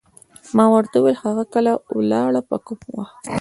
ما ورته وویل: هغه کله ولاړه، په کوم وخت؟